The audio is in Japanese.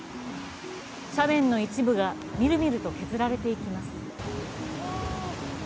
斜面の一部がみるみると削られていきます。